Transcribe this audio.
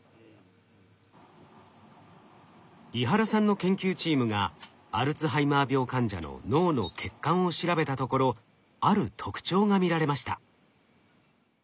猪原さんの研究チームがアルツハイマー病患者の脳の血管を調べたところある特徴が見られました。